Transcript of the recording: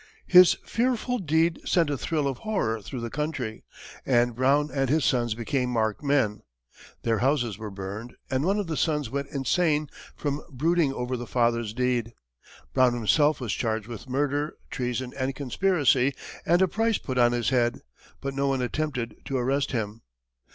His fearful deed sent a thrill of horror through the country, and Brown and his sons became marked men. Their houses were burned, and one of the sons went insane from brooding over the father's deed. Brown himself was charged with murder, treason and conspiracy, and a price put on his head, but no one attempted to arrest him.